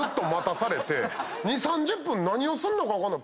２０３０分何するのか分かんない